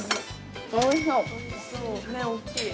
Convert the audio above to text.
大きい。